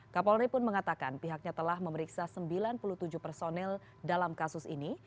kapolri pun mengatakan pihaknya telah memeriksa sembilan puluh tujuh personil dalam kasus ini